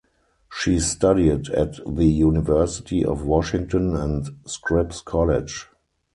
She studied at the University of Washington and Scripps College.